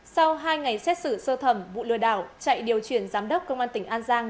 sau hai ngày xét xử sơ thẩm vụ lừa đảo chạy điều chuyển giám đốc công an tỉnh an giang